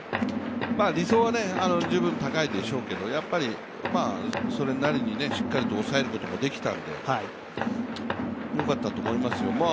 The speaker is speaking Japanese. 理想は十分高いでしょうけど、それなりにしっかり抑えることができたので良かったと思いますよ。